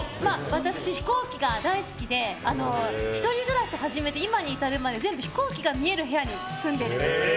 私、飛行機が大好きで１人暮らしを始めて今に至るまで飛行機が見える部屋に全部飛行機が見える部屋に住んでいるんです。